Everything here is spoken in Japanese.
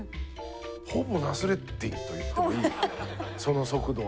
ほぼナスレッディンと言ってもいいその速度は。